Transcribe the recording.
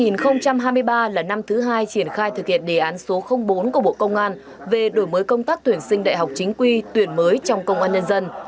năm hai nghìn hai mươi ba là năm thứ hai triển khai thực hiện đề án số bốn của bộ công an về đổi mới công tác tuyển sinh đại học chính quy tuyển mới trong công an nhân dân